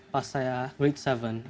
pas saya berada di sana